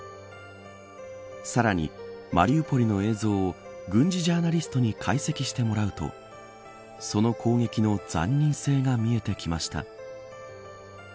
さらに、マリウポリの映像を軍事ジャーナリストに解析してもらうとその攻撃の残忍性が見えてきました。